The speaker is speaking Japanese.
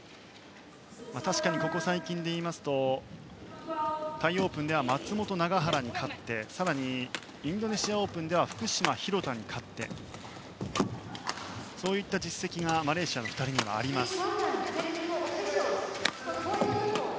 確かにここ最近でいうとタイオープンでは松本、永原に勝って更にインドネシアオープンでは福島、広田に勝ってそういった実績がマレーシアの２人にはあります。